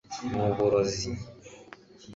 nuburozi